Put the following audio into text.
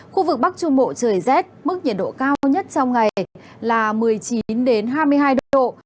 khu vực bắc trung bộ trời rét mức nhiệt độ cao nhất trong ngày là một mươi chín hai mươi hai độ